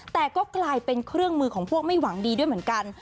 แต่ก็กลายเป็นเครื่องมือของพวกไม่หวังดีด้วยเหมือนกัน